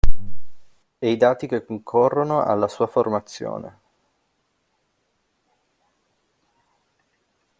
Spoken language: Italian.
E i dati che concorrono alla sua formazione.